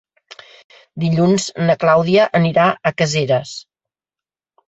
Dilluns na Clàudia anirà a Caseres.